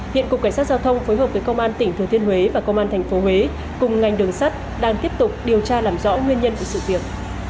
hiện cục cảnh sát giao thông phối hợp với công an tỉnh thừa thiên huế và công an tp huế cùng ngành đường sắt đang tiếp tục điều tra làm rõ nguyên nhân của sự việc